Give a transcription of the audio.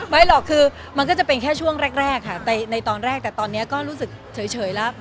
ไม่หรอกคือมันก็จะเป็นแค่ช่วงแรกค่ะในตอนแรกแต่ตอนนี้ก็รู้สึกเฉยแล้ว